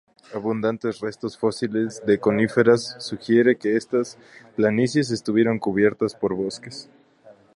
Abundantes restos fósiles de coníferas sugiere que estas planicies estuvieron cubiertas por bosques.